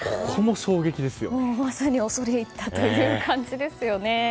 まさに恐れ入ったという感じですよね。